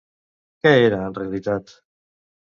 Què era en realitat?